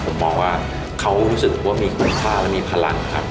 ผมว่าเขารู้สึกว่ามีคุณภาพและมีพลัง